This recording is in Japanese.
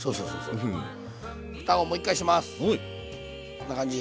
こんな感じ。